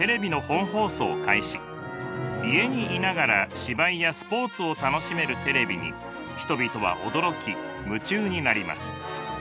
家にいながら芝居やスポーツを楽しめるテレビに人々は驚き夢中になります。